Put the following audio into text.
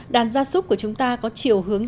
đàn gia súc của chúng ta có chiều hướng